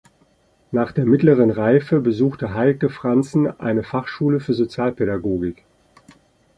Nach der Mittleren Reife besuchte Heike Franzen eine Fachschule für Sozialpädagogik.